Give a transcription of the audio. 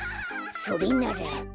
それなら。